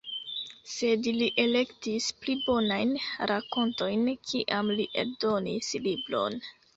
Sed li elektis pli bonajn rakontojn kiam li eldonis libron.